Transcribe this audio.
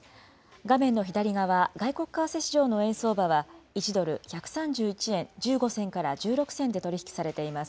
画面の左側、外国為替市場の円相場は１ドル１３１円１５銭から１６銭で取り引きされています。